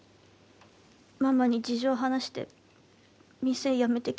ママに事情を話して店辞めてきた。